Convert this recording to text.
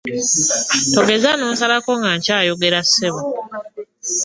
Togeza n'onsalako nga nkyayogera ssebo.